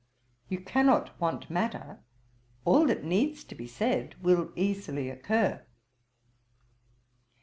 You cannot want matter: all that needs to be said will easily occur.